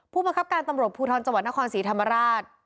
ผู้ประคับการตำรวจภูทรจนครศรีธรรมราช